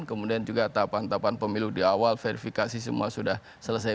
kemudian juga tahapan tahapan pemilu di awal verifikasi semua sudah selesai